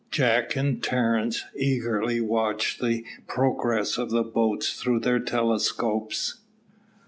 Jack and Terence eagerly watched the progress of the boats through their telescopes.